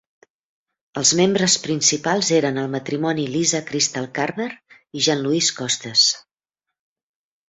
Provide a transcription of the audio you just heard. Els membres principals eren el matrimoni Lisa Crystal Carver i Jean-Louis Costes.